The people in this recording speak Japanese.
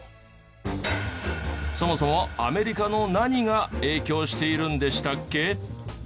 そもそもアメリカの何が影響しているんでしたっけ？